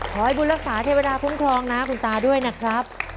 ขอให้บุญรักษาเทวดาคุ้มครองนะคุณตาด้วยนะครับ